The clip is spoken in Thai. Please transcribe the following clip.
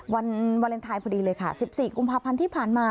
วันวาเลนไทยพอดีเลยค่ะ๑๔กุมภาพันธ์ที่ผ่านมา